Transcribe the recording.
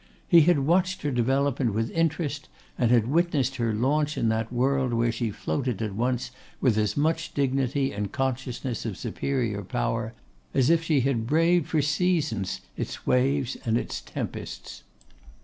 He had watched her development with interest; and had witnessed her launch in that world where she floated at once with as much dignity and consciousness of superior power, as if she had braved for seasons its waves and its tempests.